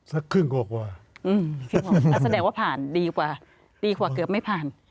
เรื่องก่อนรอดีกว่าเกือบไม่ผ่าน